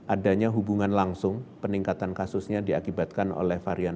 adanya hubungan langsung peningkatan kasusnya diakibatkan oleh covid sembilan belas